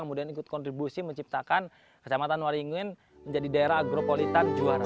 saya ingin ikut kontribusi menciptakan kecamatan waringin menjadi daerah agro politan juara